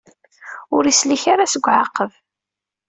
Ur isellek ara seg uɛaqeb.